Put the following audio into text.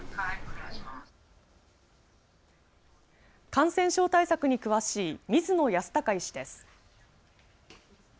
感染症対策に詳しい水野泰孝医師です。